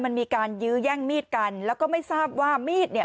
มันมีการยื้อแย่งมีดกันแล้วก็ไม่ทราบว่ามีดเนี่ย